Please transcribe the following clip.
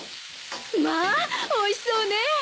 まあおいしそうね！